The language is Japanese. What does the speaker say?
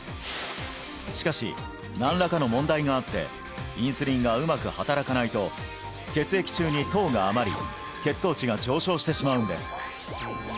しかし何らかの問題があってインスリンがうまく働かないと血液中に糖が余り血糖値が上昇してしまうんです